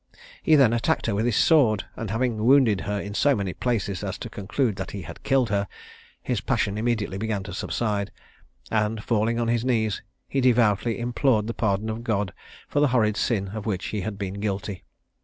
He then attacked her with his sword; and having wounded her in so many places as to conclude that he had killed her, his passion immediately began to subside, and, falling on his knees, he devoutly implored the pardon of God for the horrid sin of which he had been guilty.